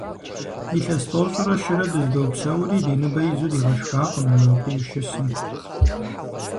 Илъэс тӀощӀрэ щырэ дыздопсэури, ди ныбэ изу дигъэшхакъым мобдеж щысым.